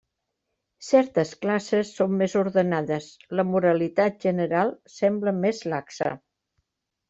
Certes classes són més ordenades; la moralitat general sembla més laxa.